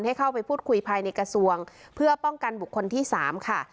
ให้เข้าไปพูดคุยภายในกระทรวงเพื่อป้องกันบุคคลที่๓ค่ะ